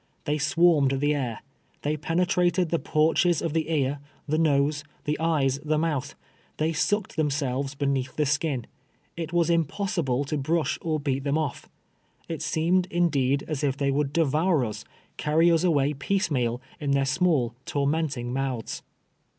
They swarmed the air. They penetrated the porches of the ear, the nose, the eyes, the mouth. They sucked themselves beneath the skin. It was impossible to brush or beat them off. It seemed, indeed, as if they would devour us — carry us away piecemeal, in their small tormenting mouths.